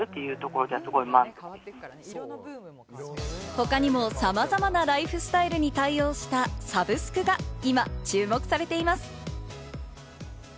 他にも様々なライフスタイルに対応したサブスクが今、注目されています。